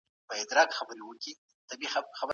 ایا مسلکي بڼوال بادام خرڅوي ؟